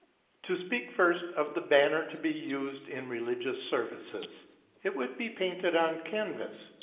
To speak first of the banner to be used in religious services. It should be painted on canvas.